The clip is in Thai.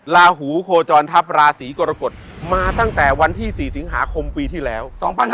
ลาหูโคจรทัพราศีกรกฎมาตั้งแต่วันที่๔สิงหาคมปีที่แล้ว๒๕๖๒